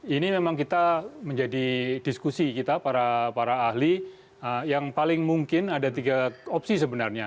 ini memang kita menjadi diskusi kita para ahli yang paling mungkin ada tiga opsi sebenarnya